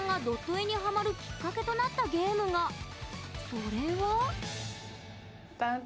それは？